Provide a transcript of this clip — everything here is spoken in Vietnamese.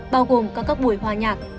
bao gồm có các buổi hòa nhạc